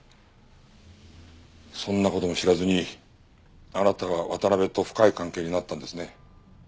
そんな事も知らずにあなたは渡辺と深い関係になったんですね。